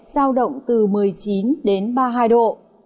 giao động từ một mươi chín đến ba mươi hai độ